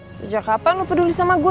sejak kapan lo peduli sama gue